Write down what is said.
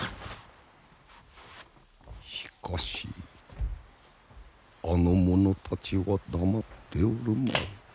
しかしあの者たちは黙っておるまい。